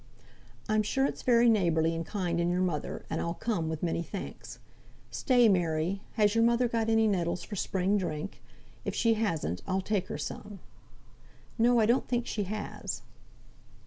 "I'm sure it's very neighbourly and kind in your mother, and I'll come, with many thanks. Stay, Mary, has your mother got any nettles for spring drink? If she hasn't I'll take her some." "No, I don't think she has."